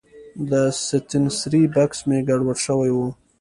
د ستنسرۍ بکس مې ګډوډ شوی و.